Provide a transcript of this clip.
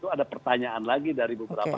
itu ada pertanyaan lagi dari beberapa